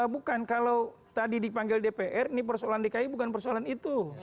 bukan kalau tadi dipanggil dpr ini persoalan dki bukan persoalan itu